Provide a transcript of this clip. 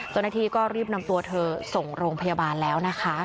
เจ้าหน้าที่ก็รีบนำตัวเธอส่งโรงพยาบาลแล้วนะคะ